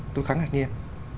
tôi khá ngạc nhiên